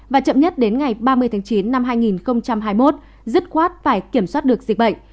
và chậm nhất đến ngày ba mươi tháng chín năm hai nghìn hai mươi một dứt khoát phải kiểm soát được dịch bệnh